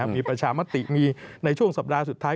มีประชามติมีในช่วงสัปดาห์สุดท้าย